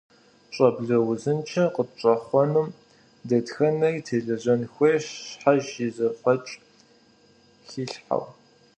Щӏэблэ узыншэ къытщӏэхъуэным дэтхэнэри телэжьэн хуейщ, щхьэж и зэфӏэкӏ хилъхьэу.